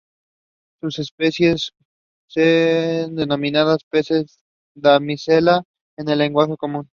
Sus especies son denominadas peces damisela en lenguaje común.